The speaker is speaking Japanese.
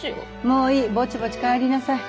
もういいぼちぼち帰りなさい。